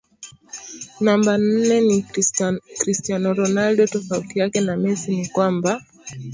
Namba Nne ni Christiano Ronaldo tofauti yake na Messi ni kwamba